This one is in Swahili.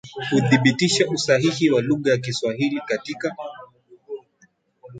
Kuthibitisha usahihi wa lugha ya Kiswahili katika